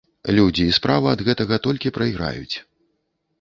Людзі і справа ад гэтага толькі прайграюць.